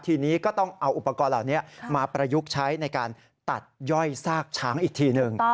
ทีนี้ก็ต้องเอาอุปกรณ์เหล่านี้มาประยุกต์ใช้ในการตัดย่อยซากช้างอีกทีหนึ่ง